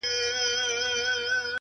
اروا مي مستانه لکه منصور دی د ژوند’